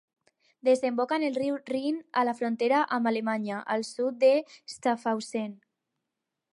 Desemboca en el riu Rin a la frontera amb Alemanya, al sud de Schaffhausen.